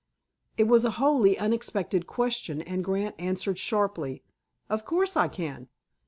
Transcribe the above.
It was a wholly unexpected question, and Grant answered sharply: "Of course, I can."